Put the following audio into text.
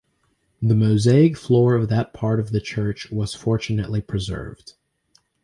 The mosaic floor of that part of the church was fortunately preserved.